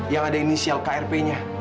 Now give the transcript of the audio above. yang ada inisial krp nya